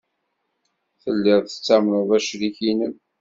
Telliḍ tettamneḍ acrik-nnem.